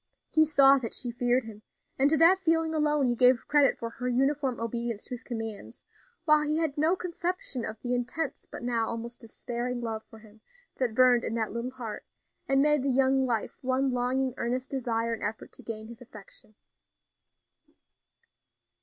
He saw that she feared him, and to that feeling alone he gave credit for her uniform obedience to his commands, while he had no conception of the intense, but now almost despairing love for him that burned in that little heart, and made the young life one longing, earnest desire and effort to gain his affection.